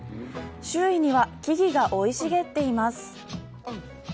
周囲には木々が生い茂っています。